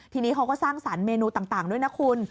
ทีนี้เขาก็สร้างสรรคเมนูต่างด้วยนะคุณ